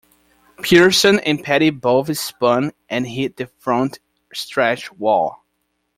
Pearson and Petty both spun and hit the front stretch wall.